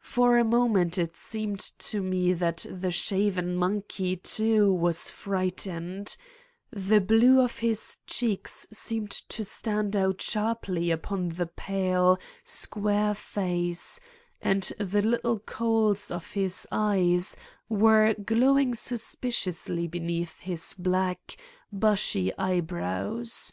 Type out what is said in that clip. For a moment it seemed to me that the shaven monkey, too, was frightened : the blue of his cheeks seemed to stand out sharply upon the pale, square face and the little coals of his eyes were glowing suspiciously beneath his black, bushy eyebrows.